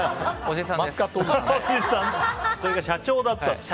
それが社長だった。